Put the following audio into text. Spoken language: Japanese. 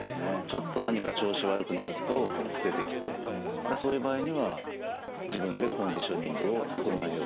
ちょっと何か調子悪くなると出てきてそういう場合には自分でコンディショニングを整えようと。